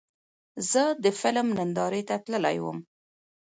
زه د فلم نندارې ته تللی وم.